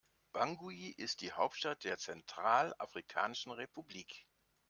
Bangui ist die Hauptstadt der Zentralafrikanischen Republik.